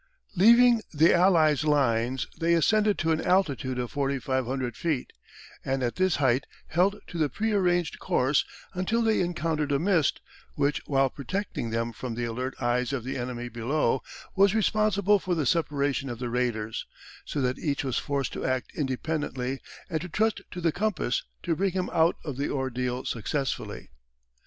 Leaving the Allies' lines they ascended to an altitude of 4,500 feet, and at this height held to the pre arranged course until they encountered a mist, which while protecting them from the alert eyes of the enemy below, was responsible for the separation of the raiders, so that each was forced to act independently and to trust to the compass to bring him out of the ordeal successfully.